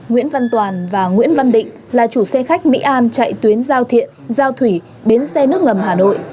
nguyễn văn toàn và nguyễn văn định là chủ xe khách mỹ an chạy tuyến giao thiện giao thủy bến xe nước ngầm hà nội